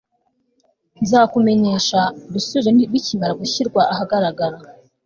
nzakumenyesha ibisubizo bikimara gushyirwa ahagaragara